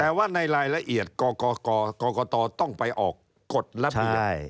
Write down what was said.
แต่ว่าในรายละเอียดกรกตต้องไปออกกฎระเบียบ